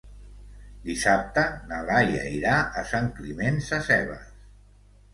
Dissabte na Laia irà a Sant Climent Sescebes.